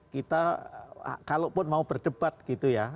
kita kalau pun mau berdebat gitu ya